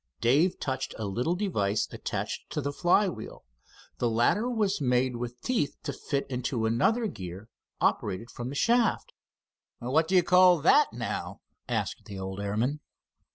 Dave touched a little device attached to the flywheel. The latter was made with teeth to fit into another gear, operated from a shaft. "What do you call that, now?" asked the old airman.